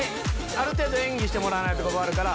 ある程度演技してもらわないと困るから。